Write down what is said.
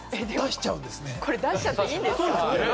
これ、出しちゃっていいんですか？